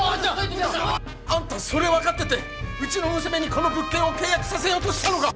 あんたそれ分かっててうちの娘にこの物件を契約させようとしたのか！